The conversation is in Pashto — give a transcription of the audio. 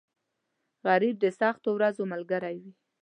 غریب د سختو ورځو ملګری وي